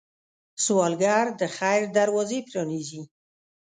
سوالګر د خیر دروازې پرانيزي